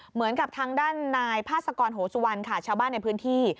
เหมือนกับทางด้านนายพาสกรโหสุวรรณค่ะชาวบ้านในพื้นที่